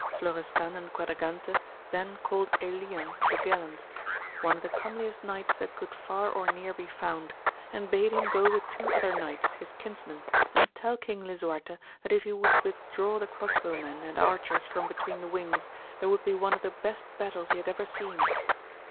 Florestan and Quadragante then called Elian the AMADIS OF GAUL. 189 gallant, one of the comeliest knights that could far or near be found, and bade him go with two other knights, his kinsmen, and tell King Lisuarte that if he would withdraw the cross bow men and archers from between the wings, there would be one of the best battles he had ever seen.